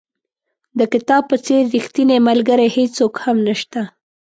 د کتاب په څېر ریښتینی ملګری هېڅوک هم نشته.